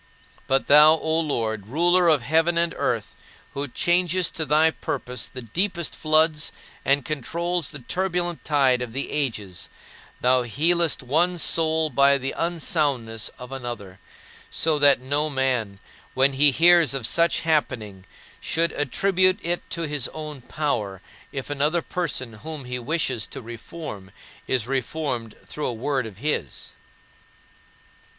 But thou, O Lord, ruler of heaven and earth, who changest to thy purposes the deepest floods and controls the turbulent tide of the ages, thou healest one soul by the unsoundness of another; so that no man, when he hears of such a happening, should attribute it to his own power if another person whom he wishes to reform is reformed through a word of his.